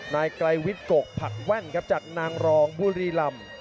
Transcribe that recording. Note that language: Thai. นายไกรวิทย์กกผักแว่นครับจากนางรองบุรีลำ